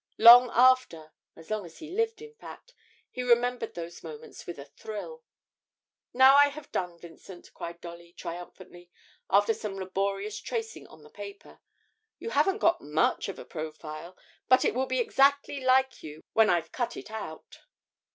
Long after as long as he lived, in fact he remembered those moments with a thrill. 'Now I have done, Vincent,' cried Dolly, triumphantly, after some laborious tracing on the paper. 'You haven't got much of a profile, but it will be exactly like you when I've cut it out.